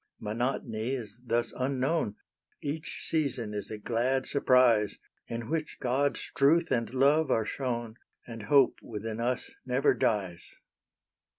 Monotony is thus unknown Each season is a glad surprise, In which God's truth and love are shown, And hope within us never dies.